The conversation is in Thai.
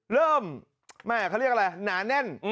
แม่เขาเรียกอะไรหนาแน่น